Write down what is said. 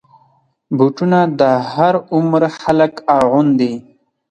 بوټونه د هر عمر خلک اغوندي.